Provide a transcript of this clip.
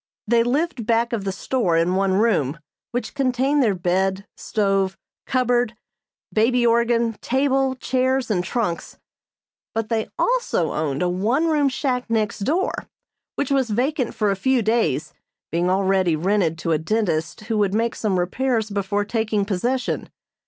They lived back of the store in one room, which contained their bed, stove, cupboard, baby organ, table, chairs and trunks; but they also owned a one room shack next door, which was vacant for a few days, being already rented to a dentist who would make some repairs before taking possession.